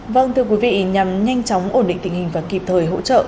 vâng thưa quý vị nhằm nhanh chóng ổn định tình hình và kịp thời hỗ trợ